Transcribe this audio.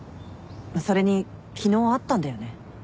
それに昨日会ったんだよね。